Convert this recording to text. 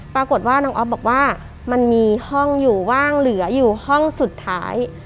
ปรากฏว่าน้องอ๊อฟบอกว่ามันมีห้องอยู่ว่างเหลืออยู่ห้องสุดท้าย